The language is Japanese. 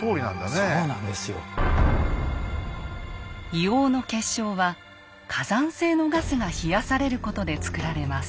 硫黄の結晶は火山性のガスが冷やされることで作られます。